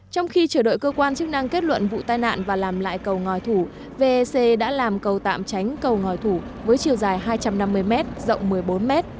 trong khi chờ đợi cơ quan chức năng kết luận vụ tai nạn và làm lại cầu ngòi thủ vec đã làm cầu tạm tránh cầu ngòi thủ với chiều dài hai trăm năm mươi m rộng một mươi bốn m